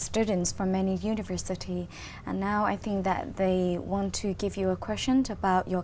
tôi nghĩ rằng cách để mang thức ăn của tôi